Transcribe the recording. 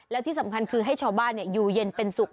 และที่สำคัญคือให้ชาวบ้านอยู่เย็นเป็นสุข